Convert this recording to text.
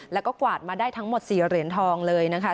แล้วก็กวาดมาได้ทั้งหมด๔เหรียญทองเลยนะคะ